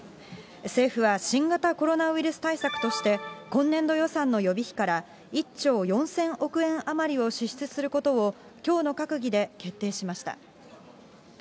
政府は新型コロナウイルス対策として、今年度予算の予備費から、１兆４０００億円余りを支出することをきょうの閣議で決定しました。